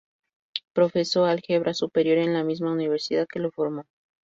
Profesó álgebra superior en la misma universidad que lo formó.